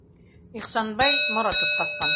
Ихсанбай Моратов ҡасҡан.